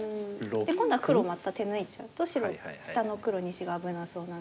今度は黒また手抜いちゃうと白下の黒２子が危なそうなので。